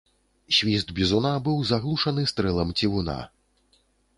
Свіст бізуна быў заглушаны стрэлам цівуна.